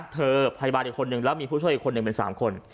เธอชายบาล๑คนแล้วมีผู้ช่วยคนนึงเป็น๓คน